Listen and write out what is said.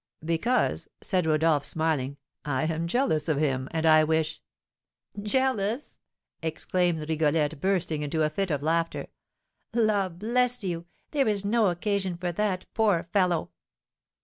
"Because," said Rodolph, smiling, "I am jealous of him, and I wish " "Jealous!" exclaimed Rigolette, bursting into a fit of laughter. "La, bless you, there is no occasion for that, poor fellow!"